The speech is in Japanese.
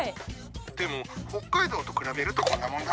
でも北海道と比べるとこんなもんだ。